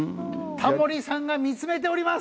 タモリさんが見つめております！